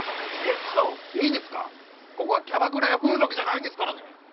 節度⁉いいですかここはキャバクラや風俗じゃないんですからね！